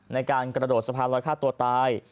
ในการกระโดดสะพานลอยฆ่าตัวตาย